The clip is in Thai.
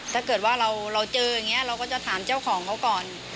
ถ้าเกิดว่าเราเจออย่างนี้เราก็จะถามเจ้าของเขาก่อน